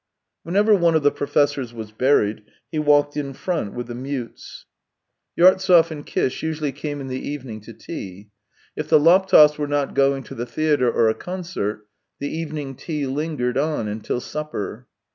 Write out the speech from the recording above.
Whenever one of the professors was buried, he walked in front with the mutes. 254 THE TALES OF TCHEHOV Yartsev and Kish usually came in the evening to tea. If the Laptevs were not going to the theatre or a concert, the evening tea lingered on till supper.